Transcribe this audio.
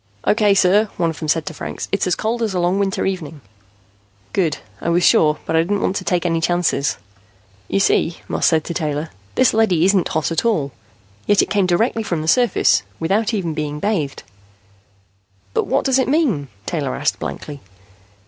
"Okay, sir," one of them said to Franks. "It's as cold as a long winter evening." "Good. I was sure, but I didn't want to take any chances." "You see," Moss said to Taylor, "this leady isn't hot at all. Yet it came directly from the surface, without even being bathed." "But what does it mean?" Taylor asked blankly.